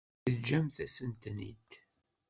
Teǧǧamt-asent-ten-id?